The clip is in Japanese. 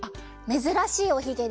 めずらしいおひげでしょ？